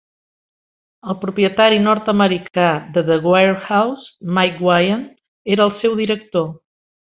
El propietari nord-americà de The Warehouse, Mike Wiand, era el seu director.